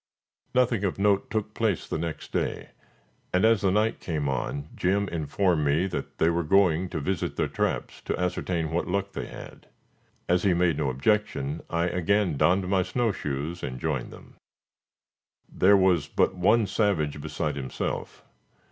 Nothing of note took place the next day, and, as the night came on, Jim informed me that they were going to visit their traps to ascertain what luck they had. As he made no objection, I again donned my snow shoes and joined them. There was but one savage beside himself.